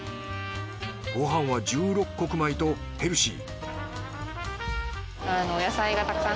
ごはんは十六穀米とヘルシー